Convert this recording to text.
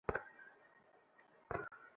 আয়, পাশে বস।